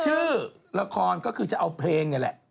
ชื่อละครก็คือจะเอาเพลงนี่แหละ